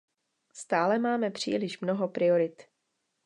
Stále máme příliš mnoho priorit.